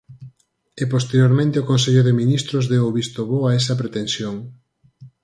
E posteriormente o Consello de Ministros deu o visto bo a esa pretensión.